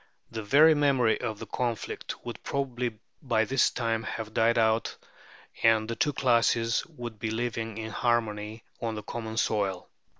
The very memory of the conflict would probably by this time have died out, and the two classes would be living in harmony on the common soil.